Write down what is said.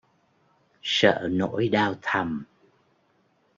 Sợ nỗi đau thầm